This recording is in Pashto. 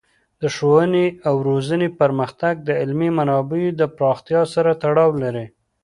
د ښوونې او روزنې پرمختګ د علمي منابعو د پراختیا سره تړاو لري.